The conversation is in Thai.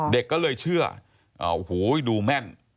เด็กก็เลยเชื่อโอ้โหดูแม่น